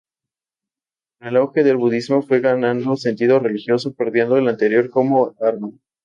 Con el auge del Budismo fue ganando sentido religioso perdiendo el anterior como arma.